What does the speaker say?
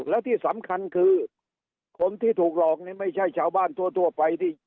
และที่สำคัญคือคนที่ถูกหลอกนี่ไม่ใช่ชาวบ้านทั่วไปที่